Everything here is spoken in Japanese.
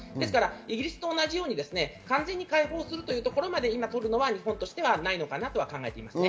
イギリスと同じように完全に開放するというところまでするのは、今、日本ではないのかと考えています。